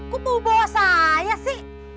kok mau bawa saya sih